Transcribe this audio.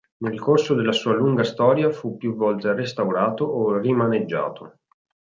Nel corso della sua lunga storia fu più volte restaurato o rimaneggiato.